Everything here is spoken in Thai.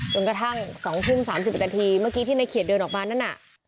กระทั่ง๒ทุ่ม๓๑นาทีเมื่อกี้ที่ในเขียดเดินออกมานั่นน่ะ